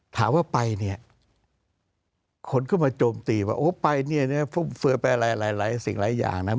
ถามว่าไปเนี่ยคนก็มาโจมตีว่าโอ้ไปเนี่ยเนี่ยฟื้มเฟิร์รแปลหลายหลายหลายสิ่งหลายอย่างนะ